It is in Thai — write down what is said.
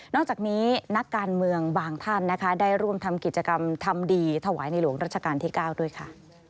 จากนี้นักการเมืองบางท่านนะคะได้ร่วมทำกิจกรรมทำดีถวายในหลวงรัชกาลที่๙ด้วยค่ะ